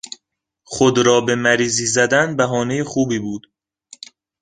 خود را به مریضی زدن بهانهی خوبی بود.